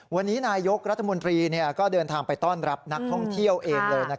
วันนี้นายกรัฐมนตรีก็เดินทางไปต้อนรับนักท่องเที่ยวเองเลย